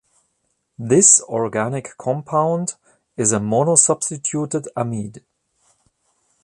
This organic compound is a mono-substituted amide.